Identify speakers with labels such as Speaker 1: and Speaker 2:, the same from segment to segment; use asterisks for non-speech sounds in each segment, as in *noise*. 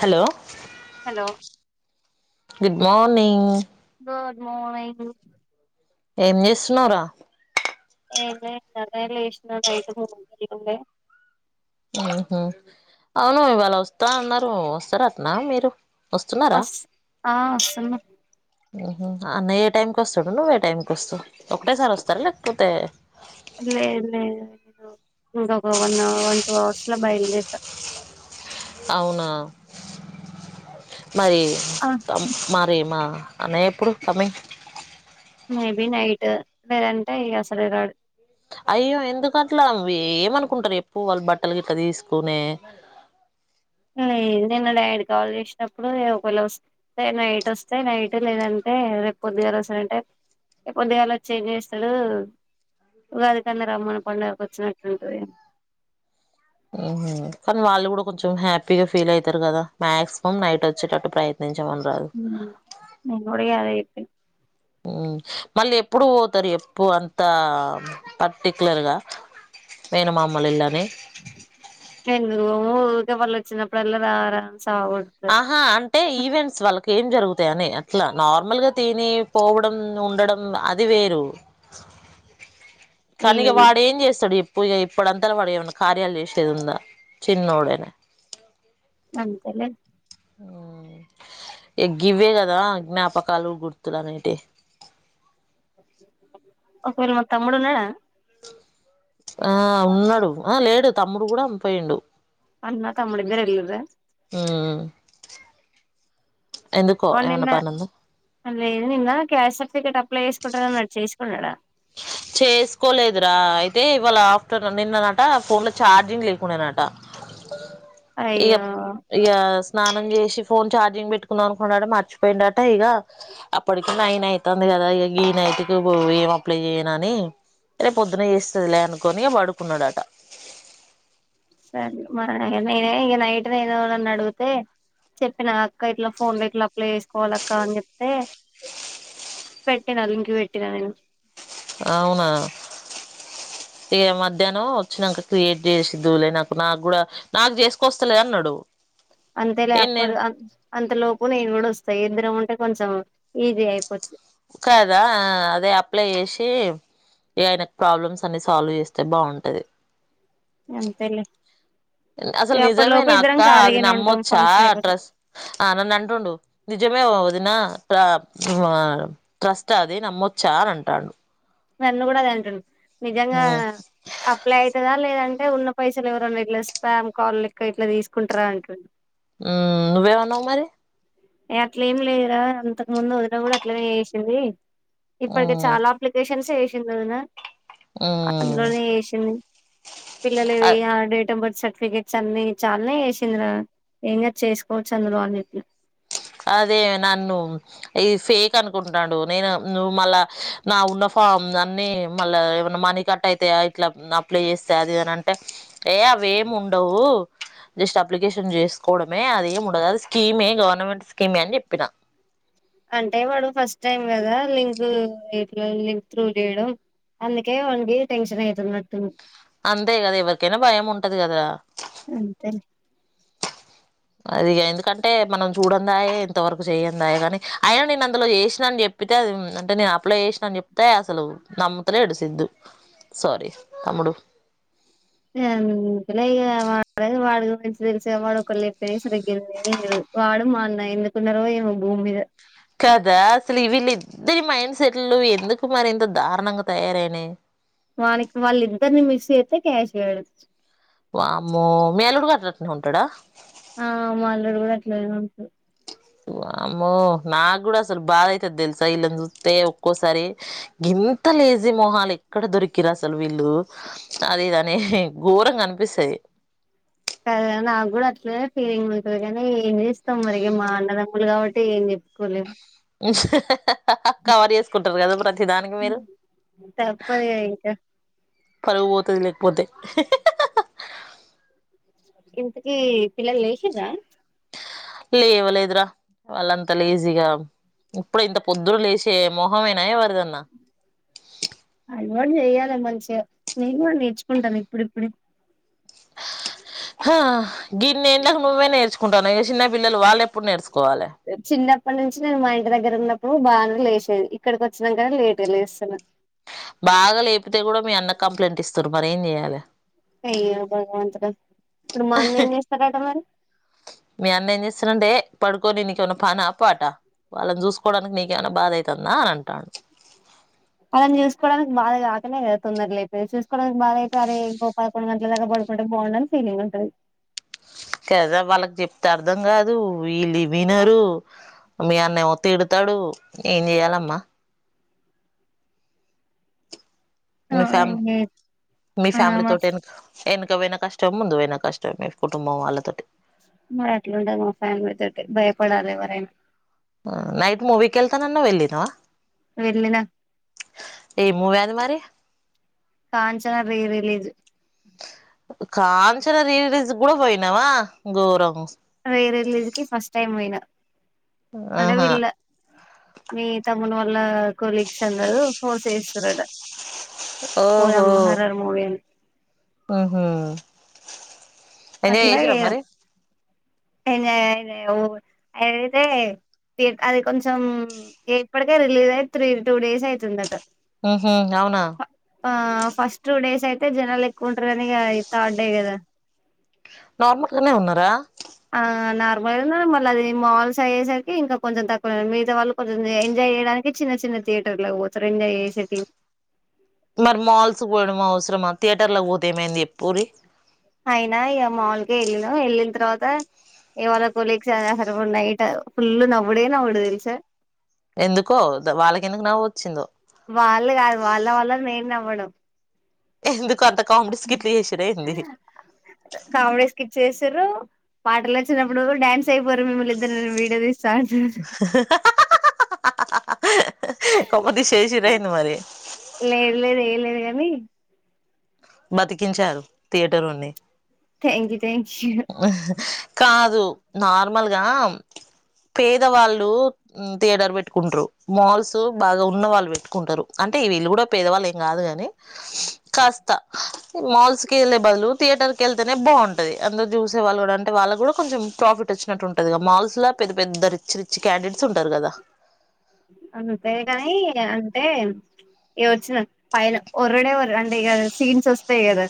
Speaker 1: Hello
Speaker 2: hello
Speaker 1: good morning
Speaker 2: good morning
Speaker 1: ఏం జేస్తున్నవ్ రా?
Speaker 2: ఏం లేదు ఇందాకే లేశ్న నైట్ *inaudible*
Speaker 1: ఉమ్ హు అవును ఇవాళ వస్తా అన్నారు వస్తారట్నా మీరు? వస్తున్నారా
Speaker 2: అస్ ఆ అస్సల్ మంచ్
Speaker 1: ఉమ్ హు అన్న ఏ టైంకొస్తడు నువ్వు ఏ టైంకోస్తవ్ ఒకటే సారొస్తార లేకపోతే?
Speaker 2: లేదు లేదు ఇంక ఒక వన్ అవ వన్ టూ అవర్స్ ల బయల్దేరుత
Speaker 1: అవునా మరీ
Speaker 2: ఆ
Speaker 1: మరి మా అన్నయేప్పుడు కమింగ్?
Speaker 2: మే బి నైట్ లేదంటే ఇగ అసలే రాడు.
Speaker 1: అయ్యో ఎందుకట్ల, ఏమనుకుంటరు చెప్పు వాళ్ళు బట్టలు గిట్లా తీస్కొనే.
Speaker 2: లేదె మా డాడీ కాల్ చేసినప్పుడు ఒకవేళ ఒస్తే నైట్ ఒస్తే నైట్ లేదంటే రేపొద్దుగాలొస్థాడంటే, రేపొదడ్డుగాలోచ్చేంజేస్తడు ఉగాది కన్న రమ్మను పండగకొచ్చినట్టుంటది.
Speaker 1: ఉమ్ హు కనీ వాళ్ళు గుడా కొంచెం హ్యాపీగా ఫీల్ అయితరు గదా మాక్సిమం నైట్ వచ్చేటట్టు ప్రయత్నించ్
Speaker 2: ఉమ్ నెంగుడిగ అదే చెప్ పిన
Speaker 1: ఉమ్ మళ్ళీ ఎప్పుడు పోతరు చెప్పు అంతా పర్టికులర్ గా మేనమామల ఇల్ళని?
Speaker 2: నేనుబోను ఊకె వాల్లోచ్చినప్పుడల్లా రావారా?
Speaker 1: ఆహా అంటే ఈవెంట్స్ వాళ్ళకు ఏం జరుగుతయని అట్లా, నార్మల్గా తిని పోవడం ఉండడం అది వేరు కనీగ
Speaker 2: ఈవెన్
Speaker 1: వాడేం చేస్తడు చెప్ ప్పుఇగ ఇప్పుడంతల వాడు ఏమన్న కార్యాలు చేసేది ఉందా? చిన్నోడేనాయే
Speaker 2: అంతెలే
Speaker 1: ఉమ్ ఇగ గివ్వేగదా జ్ఞాపకాలు, గుర్తులు అనేటివి
Speaker 2: ఒకవేళ మా తమ్ముడున్నడా?
Speaker 1: ఆ ఉన్నాడు ఆ లేడు తమ్ముడు గుడా పోయిండు.
Speaker 2: అన్నా తమ్ముడు ఇద్దరెల్లింరా?
Speaker 1: ఉమ్ ఎందుకో
Speaker 2: న్న
Speaker 1: ఏమన్నా పనుందా
Speaker 2: అ నిన్న క్యాస్ట్ సర్టిఫికేట్ అ అప్లై చేసుకుంటా అన్నాడు చేేసుకున్నాడా
Speaker 1: చేసుకోలేదురా అయితే ఇవాళ ఆఫ్టర్నూన్ నిన్ననట ఫోన్ లో ఛార్జింగ్ లేకుండానట ఇక
Speaker 2: అయ్యో
Speaker 1: ఇ స్నానం చేసి ఫోన్ ార్జింగ్ పెట్టుకున్నాం అనుకున్నాడ మర్చిపోయిడుట ఇక అప్పటికి నైన్ అవుతుంది కదా ఇ గీ నైట్ కి అప్లై చేయన అని రే పొద్దున చేస్తుదిలే అనుకని పడుకున్నాడుట
Speaker 2: సరే మ నేనే ఇక నైట్ న ఏదోనని అడిగితే చెప్పి నా అక్క ఇట్లా ఫోన్లో ఇట్లా వేసుకోవాలక్కా అని చెప్తే పెట్టేన లింక్ పెట్టినా నేను
Speaker 1: అవునా ఇ మధ్యాహ్నం వచ్చినాక క్రియేట్ చేసిద్లే నాకు నాకు కూడా నాకు చేసుకొస్తాలేద అన్నాడు
Speaker 2: అంతే
Speaker 1: ఏ నేను
Speaker 2: లేప్పడు అంత లోపులు నేను కూడా వస్తాయి ఎందరం ఉంటే కొంచెం ఈజీ అయిపోది
Speaker 1: కదా అదే అప్లై చేసి ఆయనకి ప్రాబ్లమ్స్ అన్ని సాల్వ్ చేస్తే బాగుంటది
Speaker 2: ఇంకా అంతేలే
Speaker 1: అసలు
Speaker 2: ఇగ అప్పటి
Speaker 1: నిజమే
Speaker 2: లోపు
Speaker 1: నా
Speaker 2: ఇద్దరం
Speaker 1: అక్క అది నా
Speaker 2: ఖాళీగానే
Speaker 1: అమ్మ
Speaker 2: ఉంటాం
Speaker 1: వచ్చా
Speaker 2: ఫంక్షన్ అయిపోతది
Speaker 1: ట్రస్ ఆ నన్ను అంటుండు నిజమే ఒదిన ట్రస్ట్ అది నమ్మోచ్చ అని అంటాడు
Speaker 2: నన్ను కూడా అదే అంటుండు నిజంగా
Speaker 1: ఉమ్
Speaker 2: అప్లై అవుతుందా లేదంటే అంటే ఉన్న పైసలు ఎవరండి ఇట్లా స్పామ్ కాల్ లక్క ఇట్లా తీసుకుంటారా అంటుండు
Speaker 1: హ్మ్మ్ నువ్వేం అన్నావు మరి
Speaker 2: ఏ అట్లా ఏమి లేదురా అంతకు ముందు వదిిన కూడా అట్లనే చేసింది ఇప్పటికి
Speaker 1: ఉమ్
Speaker 2: చాలా అప్లికేషన్స్ వే
Speaker 1: ఉమ్
Speaker 2: అందులోనే వేసింది
Speaker 1: అ
Speaker 2: పిల్లలువి డేట్ అఫ్ బర్త్ సర్టిఫికెట్స్ అన్ని చాలానే వేసింది ఏం చేసుకోవచ్చు అన్నారు వాళ్ళు చెప్పారు
Speaker 1: అదే నన్ను ఇది ఫేక్ అనుకుంటున్నాడు నేను నువ్వు మళ్ళా నా ఉన్న ఫామ్ అన్నిీ మళ్ళా ఏమన్నా మనీ కట్ అయితే ఇట్లా అప్లై చేస్తే అది అని అంటే ఏ అవ ఏమి ఉండవు జస్ట్ అప్లికేషన్ చేసుకోవడమే అది ఏమి ఉండదు అది స్కీమే గవర్నమెంట్ స్కీమే అని చెప్పిన
Speaker 2: అంటే వాడు ఫస్ట్ టైమ్ కదా లింక్ లింక్ త్రూ చేయడం అందుకే వానికి టెన్షన్ అవుతున్నట్టు
Speaker 1: అంతే కదా ఎవరికైనా భయం ఉంటది కదా
Speaker 2: అంతే
Speaker 1: అది ఎందుకంటే మనం చూడందాయ ఇంతవరకు చేయ్యందాయ కాని అయిన నేను అందులో చేసినా అని చెప్పితే అ అంటే నేను అప్లై చేసినా అని చెప్తే అసలు నమ్మతలేడు సిద్దు సారీ తమ్ముడు
Speaker 2: ఇలా వా వాడి మంచి తెలిసా వాడు ఒకళ్రుు చెప్పే వాడు మా ఏం తెలవదు వాడు న్నా ఎందుకున్నారో ఏమో భూమి మీద
Speaker 1: కదా అసలు వ వీళ్ళ ఇద్దరి మైండ్ సెట్లు ఎందుకు మరి ఇంత దారుణంగా తయారయినై
Speaker 2: వాకి వాళ్ళ ఇద్దరిని మిస్ చేయితే క్యాష్ చేయడచ్చు
Speaker 1: వామ్మో మీ అల్లుడుగారు అట్లనే ఉంటా
Speaker 2: ఆ మా అల్లుడు కూడా అట్లనే ఉంటాడు
Speaker 1: అమో నాకు కూడా అసలు బాధ అైతుది తెలుసా వీళ్ళని చూస్తే ఒక్కోసారి ఇంత లేజీ మోహాలు ఇక్కడ దొరికిరా అసలు వీళ్ళు అది ఇదని ఘోరంగా ఆనిపిస్తుది
Speaker 2: కద నాకు కూడా అట్ల ఫీలింగ్ అతుంది కానీ ఏం చేస్తాం మరికి మా అన్న దమ్యలు కాబట్టి ఏం చెప్పుకోలే
Speaker 1: కవర్ చేసుకుంటారు కదా ప్రతిదానికి మీరు
Speaker 2: తప్పదు ఇగ ఇంకా
Speaker 1: పరువు పోతది లేకపోతే
Speaker 2: ఇంతకీ పిల్లలు లెసిల్లా
Speaker 1: లేవలేదురా వాళ్ళ అంత లేజీగా ఇప్పుడు ఇంత పొద్దున లేసే మోహమైనా ఎవర్దన
Speaker 2: అలవాటు చెయాలి మంచిగా నేను కూడా నేర్చుకుంటాను ఇప్పుడిప్పుడు
Speaker 1: గిన్నెలకి నువ్వే నేర్చుకో టను చిన్ని పిల్లలు వాళ ఎప్పుడూ నేర్చు
Speaker 2: చిన్నప్పటి నుంచి నేను మా ఇంటి దగ్గర ఉన్నప్పుడు నువ్వు బాగానే లేచేది ఇక్కడికి వచ్చినాకనీ లేట్ లేస్తాన్నా
Speaker 1: బాగా లేపితే కూడా మీ అన్న కంప్లైంట్ ఇస్తారు మర ఏం చెయ్యాలి
Speaker 2: ఆ భగవంతుడ
Speaker 1: మీ అన్న ఏం చేస్తరాంటె పడుకొని నీకేమైనా పాన పాట వాళ్ళని చూసుకోవడానికి నీక ఏమైనా బాధ అవుతుందా అని అంటాడు
Speaker 2: అలాని చూసుకోవడానికి బాగాకనే కదా తొందరగా అయితే చూసుకోవడానికి బాధ అయితే అరే ఇంకో పదకొండు గంటల దాకా పడుకుంటే బాగుడానికి ఫీలింగ్ ఉంటది
Speaker 1: కదా వాళ్ళకి చెప్తే అర్ధం కాదు వీళ్ళు ఇ వినరు మీ అన్న ఏమో తిడతాడు ఏం చెయాలమ్మా
Speaker 2: ఆ
Speaker 1: మీ ఫ్యామి
Speaker 2: ఇంగే
Speaker 1: మీ
Speaker 2: ఆ
Speaker 1: ఫ్యామిలీ
Speaker 2: మా
Speaker 1: తోట వెనుక ఎనాకా పోయిన కష్టం ముందు పోన కష్టం మీ కుటుంబం వాళ్ళతోటి
Speaker 2: మరి అట్లుండదు మా ఫ్యామిలీ తోటి భయపడాలి ఎవరైనా
Speaker 1: నైట్ మూవీ కి వెళ్తా అన్నది వెళ్ళి తవ
Speaker 2: వెళ్ళిన
Speaker 1: ఏం మూవీ అది మరి
Speaker 2: Kanchana re release
Speaker 1: Kanchana re release కి కూడా పోయినావా గోరం
Speaker 2: రీ రిలీజ్ కి ఫస్ట్ టైమ్ పోయిన అంటే
Speaker 1: ఆహా
Speaker 2: వీళ్ళ మీ తమ్ మూడు వల్ల కొలీగ్స్ అందరు *unintelligible* చేస్తారట పోదాం మహారాణి మూవీ అని
Speaker 1: ఆహు
Speaker 2: అట్లా అయామ్ ఎంజాయ్ అ ఐతే అది కొంచెం ఇప్పటికే రిలీజ్ అయి త్రీ టూ డేస్ అయితుందిట
Speaker 1: ఉహు అవునా
Speaker 2: ఆ ఫస్ట్ టూ డేస్ అయితే జనాలు ఎక్కుంటారు అని థర్డ్ డే కదా
Speaker 1: నార్మల్గానే ఉన్నారా
Speaker 2: నార్మల్గా మళ్ళీ అది మాల్స్ అయ్యేసరికి ఇంకా కొంచెం తక్కువ మిగతా వాళ్ళు కొంచెం ఎంజాయ్ చేయడానికి చిన్న చిన్న థియేటర్లు పోతారు ఎంజాయ్ చేసేకి
Speaker 1: మరి మాల్స్ పోడం అవసరమా థియేటర్ల పోతే ఏమైంది చేపూరి
Speaker 2: అయినా ఇ మాల్ కె వెళ్ళిన వెళ్ళిన తర్వాత ఇవాళ కొలీగ్స్ నైట్ ఫుల్ నవ్వుడే నవ్వుడు తెలుసా
Speaker 1: ఎందుకో వాళ్ళకెందుకు నవ్వు వచ్చిందో
Speaker 2: వాళ్ళు కాదు వాళ్ళ వాళ్ళ నేను నావ్వడం
Speaker 1: ఎందుకు అంత కామెడీ స్కిట్లు చేసిన్ర ఎంది
Speaker 2: తురు పాటలు వచ్చినప్పుడు డాన్స్ చేయిపోన్రి మిముల్ ఇద్దరీ వీడియో తీస్
Speaker 1: కొంపదీసి చేసిన్ర ఏంది మరి
Speaker 2: ని
Speaker 1: బతికించారు థియేటర్ ఓర్నీ
Speaker 2: థ్యాంక్ కి
Speaker 1: ఆహ్ కాదు నార్మల్గా పేదవాళ్ళు థియేటర్ పెట్టుకుంటరు. మాల్స్ బాగా ఉన్న వాళ్ళు పెట్టుకుంటరు. అంటే వీళ్ళు కూడా పేదవాళ్ళు ఏం కాదు కాని కాస్త మాల్స్కి వెళ్ళే బదులు థియేటర్కి వెళ్తేనే బాగుంటది. అందరు చూసే వాళ్ళు కూడా అంటే వాళ్ళకి కూడా కొంచెం ప్రాఫిట్ వచ్చినట్టు ఉంటదిగా. మాల్స్ లా పెద్ద పెద్ద రిచ్చి రిచ్చి క్యాండిడట్స్ ఉంటరు కదా.
Speaker 2: అంతేగాని ఇగ అంటే ఇగ వచ్చిన పైన ఒర్రుడే ఓర్ అంటే ఇగ సీన్స్ వస్తయి కదా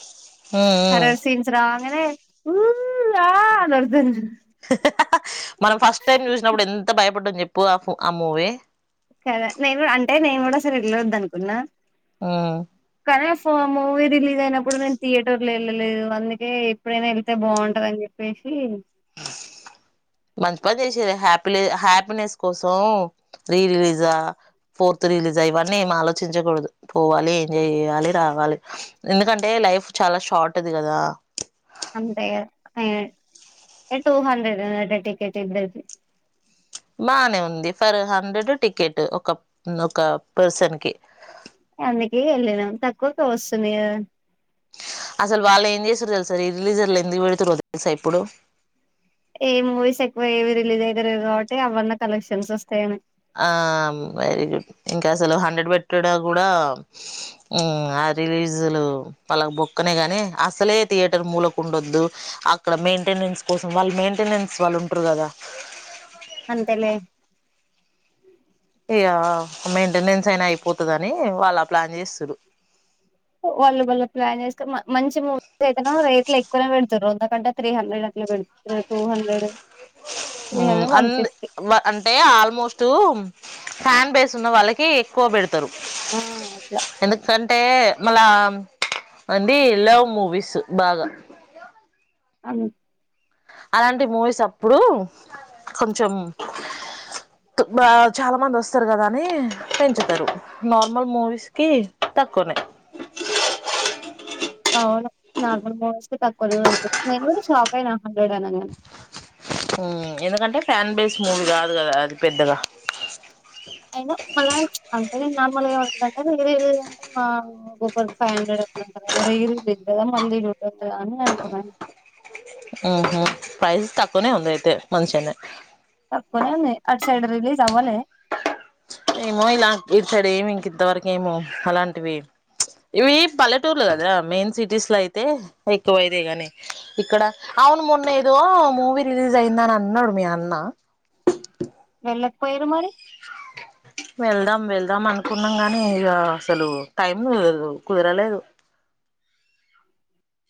Speaker 1: ఉమ్ ఉమ్
Speaker 2: హార్రర్ సీన్స్ రా గనే ఊ ఆ అని ఓర్రుతరు
Speaker 1: మనం ఫస్ట్ టైం చూసినప్పుడు ఎంత బయపడ్డాం చెప్పు ఆ ఫో ఆ మూవీ
Speaker 2: కదా నేను అంటే నేను కూడా అసలు ఎలొద్దు అనుకున్నా
Speaker 1: ఉమ్
Speaker 2: కానీ ఫో మూవీ రిలీజ్ అయినప్పుడు నేను థియేటర్ లో వెళ్ళలేదు అందుకే ఎప్పుడైనా వెళ్తే బాగుంటది అని చెప్పేసి
Speaker 1: మంచి పని చేసీరు హ్యాపీల్ హ్యాపీనెస్ కోసం రీ రిలీజా, ఫోర్త్ రిలీజా ఇవన్నీ ఏమి ఆలోచించకూడదు. పోవాలి ఎంజాయ్ చెయాలి రావాలి. ఎందుకంటే లైఫ్ చాలా షార్ట్ది కదా.
Speaker 2: అంతే హే ఎ టూ హండ్రెడెనట టికెట్ ఇద్దరికి
Speaker 1: బానే ఉంది ఫర్ హండ్రెడ్ టికెట్ ఒక ఉమ్ ఒక పర్సన్ కి
Speaker 2: అందుకే వెళ్ళినాం తక్కువకు వస్తుంది గదా
Speaker 1: అసలు వాళ్ళు ఏం చేసిన్రు తెలుసా, రీ రిలీజర్లు ఎందుకు పెడుతురో తెలుసా ఇప్పుడు.
Speaker 2: ఏ మూవీస్ ఎక్కువ ఏవి రిలీజ్ అయితలేవు కాబట్టి అవన్న కలెక్షన్స్ వస్తయని
Speaker 1: ఆమ్ వెరీ గుడ్ ఇంకా అసలు హండ్రెడ్ పెట్టడా కూడా ఉమ్ ఆ రిలీజ్లు వాళ్ళకు బొక్కనే గానీ అసలే థియేటర్ మూలక్ ఉండొద్దు అక్కడ మెయింటెనెన్స్ కోసం వాళ్ మెయింటెనెన్స్ వాళ్ళు ఉంటరు కదా
Speaker 2: అంతేలే
Speaker 1: ఇయ మెయింటెనెన్స్ అయినా అయిపోతదని వాళ్ ఆ ప్లాన్ చేస్తున్రు.
Speaker 2: వాళ్ళు వాళ్ళ ప్లాన్ చేసుకొని మంచి మూవీస్ అయితేనో రేట్లు ఎక్కువనే పెడతరు అంత కంటే త్రి హండ్రెడ్ అట్ల పెడ్ three
Speaker 1: um
Speaker 2: hundred one
Speaker 1: and
Speaker 2: fifty
Speaker 1: బ అంటే ఆల్మోస్టు ఫ్యాన్ బేస్ ఉన్న వాళ్ళకి ఎక్కువ బెడ్ తరు
Speaker 2: ఆ అట్లా
Speaker 1: ఎందు కన్ టే మళ్ళా అంది లవ్ మూవీస్ బాగా
Speaker 2: అవును
Speaker 1: అలాంటి మూవీస్ అప్పుడూ కొంచం త్ బా చాలా మంది వస్తారు కదా అని పెంచుతరు నార్మల్ మూవీస్ కి తక్కువనే
Speaker 2: అవును నార్మల్ మూవీస్ కి తక్కువనే పెడతరు. నేను కూడా షాక్ అయినా హండ్రెడ్ అనంగానే
Speaker 1: ఉమ్ ఎందుకంటే ఫ్యాన్ బేస్ మూవీ కాదు కదా అది పెద్దగా
Speaker 2: అయిన *unintelligible* *unintelligible* నార్మల్ గా ఏమనుకున్నా అంటే రీ రిలీజ్ అంటే మా *inaudible* ఒక్కొక్కరికి ఫైవ్ హండ్రెడ్ అట్లా అంట కదా *unintelligible* కదా మళ్ళీ చూద్దాం కదా అని అనుకున్నాను
Speaker 1: ఉహు ప్రైజెస్ తక్కువనే ఉంది అయితే మంచిగనే
Speaker 2: తప్పకు అట్ సైడ రిలీ అవాలే
Speaker 1: ఏమో ఇలా ఇక్కడ సైడ్ ఏమి ఇంకంతవరకు ఏమో అలాంటివి ఇవి పల్లెటూర్లు కదా మెయిన్ సిటీస్ లో అయితే ఎక్కువైద గాని ఇక్కడ అవును మొన్న ఏదో మూవీ రిలీజ్ అయిందా అని అన్నాడు మీ అన్న
Speaker 2: వెళ్ళకపొయిరు మరి
Speaker 1: వెళ్దాం వెళ్దాం అనుకున్నాం గానీ ఇక అసలు టైము కుదరలేదు